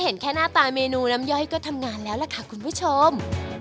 นั่นแหละค่ะคุณผู้ชม